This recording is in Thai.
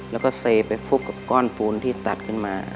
แล้วก็เซไปฟุบกับก้อนปูนที่ตัดขึ้นมา